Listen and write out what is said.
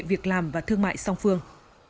việc làm và thương mại song phương